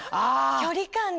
距離感ね。